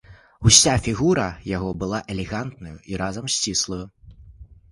Уся фігура яго была элегантнаю і разам сціплаю.